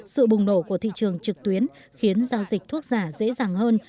sự bùng nổ của thị trường trực tuyến khiến giao dịch thuốc giả dễ dàng hơn